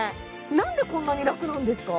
なんでこんなに楽なんですか？